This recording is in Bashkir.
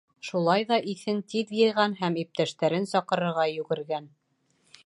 Шулай ҙа иҫен тиҙ йыйған һәм иптәштәрен саҡырырға йүгергән.